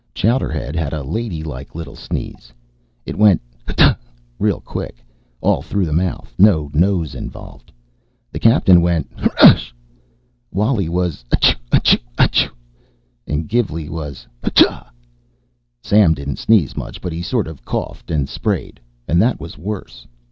Chowderhead had a ladylike little sneeze; it went hutta, real quick, all through the mouth, no nose involved. The captain went Hrasssh; Wally was Ashoo, ashoo, ashoo. Gilvey was Hutch uh. Sam didn't sneeze much, but he sort of coughed and sprayed, and that was worse.